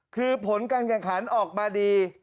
คือผลการแข่งขันออกมาดี